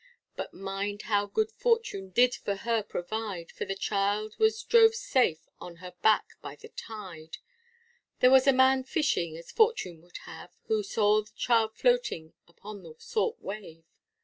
But mind how good fortune did for her provide, For the child was drove safe on her back by the tide, There was a man fishing, as fortune would have, Who saw the child floating upon the salt wave.